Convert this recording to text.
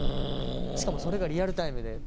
しかもそれがリアルタイムで。